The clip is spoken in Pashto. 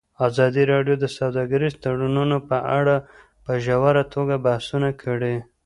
ازادي راډیو د سوداګریز تړونونه په اړه په ژوره توګه بحثونه کړي.